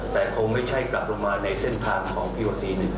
แต่คงไม่ใช่กลับลงมาในเส้นทางของพี่หัวศรีหนึ่ง